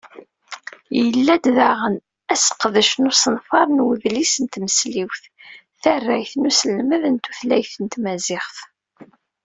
Yella-d daɣen, asqerdec n usenfar n udlis n tmesliwt, tarrayt n uselmed n tutlayt n tmaziɣt.